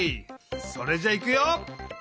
それじゃいくよ。